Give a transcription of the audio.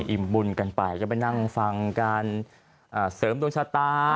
อิ่มบุญกันไปก็ไปนั่งฟังการเสริมดวงชะตา